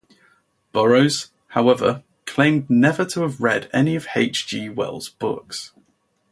Burroughs, however, claimed never to have read any of H. G. Wells' books.